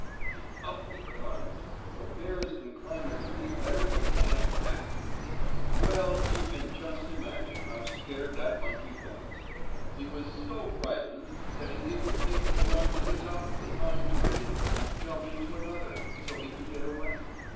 And up he climbed, for bears can climb a tree better than can a cat. Well, you can just imagine how scared that monkey was. He was so frightened that he didn't think to run to the top of the pine tree, and jump into another, so he could get away.